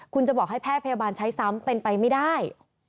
คุณจะบอกให้แพทย์พยาบาลใช้ซ้ำเป็นไปไม่ได้